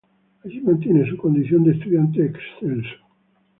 Allí mantiene su condición de estudiante excelso.